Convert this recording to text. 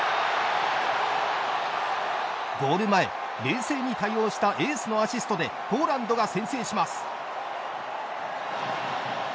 ゴール前、冷静に対応したエースのアシストでポーランドが先制します。